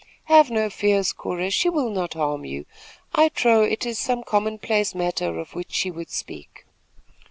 "Have no fears, Cora, she will not harm you. I trow it is some commonplace matter of which she would speak."